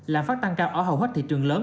lạm phát tăng cao ở hầu hết thị trường lớn